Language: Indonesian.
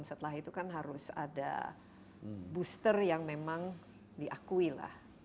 setelah itu kan harus ada booster yang memang diakui lah